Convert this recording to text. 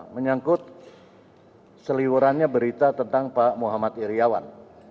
menyangkut seliwurannya berita tentang pak muhammad iryawan